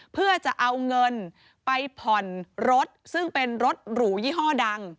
เพื่อจะเอาเงินไปผ่อนรถซึ่งเป็นรถหรูยี่ห้อดัง